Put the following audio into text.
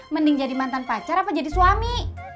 mending jadi mantan pacar apa jadi suami